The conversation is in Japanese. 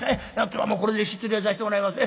今日はこれで失礼させてもらいます。